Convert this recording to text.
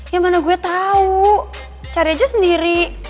yang mana gue tau cari aja sendiri